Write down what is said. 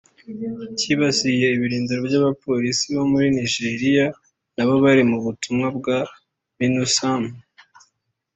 kibasiye ibirindiro by’abapolisi bo muri Nigeria nabo bari mu butumwa bwa Minusma